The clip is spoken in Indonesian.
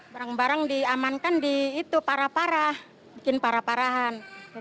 barang barang diamankan di itu parah parah bikin para parahan